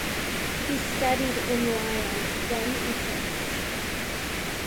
He studied in Lyon then in Paris.